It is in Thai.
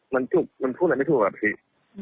มันจุกมันพูดอะไรไม่ถูกอะพี่